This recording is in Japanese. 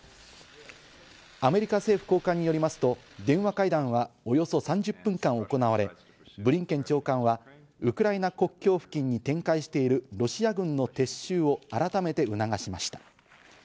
アメリカ政府高官よりますと、電話会談はおよそ３０分間行われ、ブリンケン長官はウクライナ国境付近に展開しているロシア軍の撤収を改めて促しました。